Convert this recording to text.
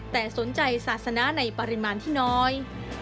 แต่สนใจศาสนาในปริมาณที่น้อย